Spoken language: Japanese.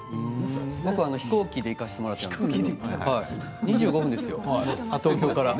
僕は飛行機で行かせていただいたんですけど２５分ですよ、東京から。